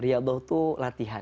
rialboh tuh latihan